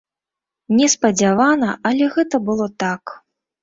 Неспадзявана, але гэта было так.